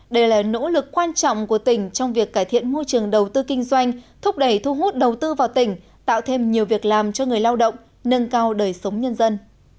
đây là nỗ lực quan trọng của tỉnh trong việc cải thiện môi trường đầu tư kinh doanh thúc đẩy thu hút đầu tư vào tỉnh tạo thêm nhiều việc làm cho người lao động nâng cao đời sống nhân dân